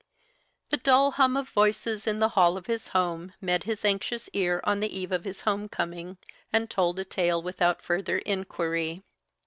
The dull hum of voices in the hall of his home met his anxious ear on the eve of his home coming, and told a tale without further inquiry.